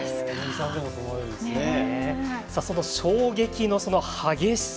その衝撃の激しさ。